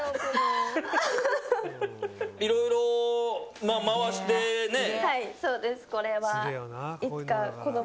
いろいろ回してね。